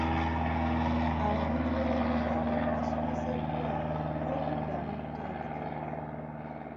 Abanoonyiboobubudamu basomeseddwa n'okuddamu okutendekebwa.